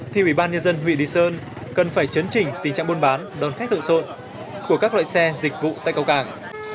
thì ủy ban nhân dân huyện lý sơn cần phải chấn chỉnh tình trạng buôn bán đòn khách lộ sộn của các loại xe dịch vụ tại cầu cảng